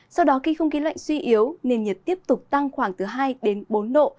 sau đó khi không khí lạnh suy yếu nền nhiệt tiếp tục tăng khoảng từ hai đến bốn độ